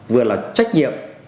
vừa là trách nhiệm